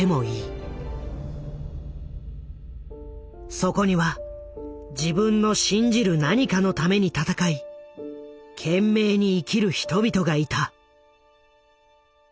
そこには自分の信じる何かのために闘い懸命に生きる人々がいた。